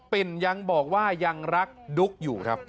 ปิ่นยังบอกว่ายังรักดุ๊กอยู่ครับ